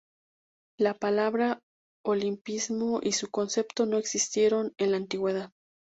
La palabra Olimpismo y su concepto no existieron en la antigüedad.